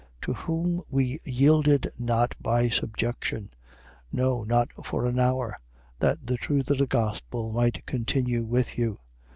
2:5. To whom we yielded not by subjection: no, not for an hour: that the truth of the gospel might continue with you.